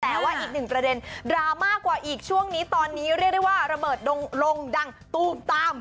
แต่ว่าอีกหนึ่งประเด็นดราม่ากว่าอีกช่วงนี้ตอนนี้เรียกได้ว่าระเบิดลงดังตูมตาม